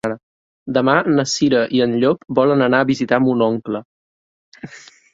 Demà na Cira i en Llop volen anar a visitar mon oncle.